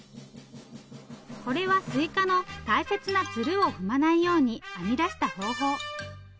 これはすいかの大切なつるを踏まないように編み出した方法。